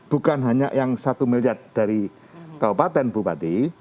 bukan hanya yang satu miliar dari kabupaten bupati